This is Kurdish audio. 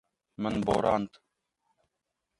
Min borand.